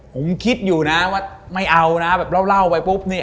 ผมคิดอยู่นะไม่เอานะแบบเล่าไปปุฏนะ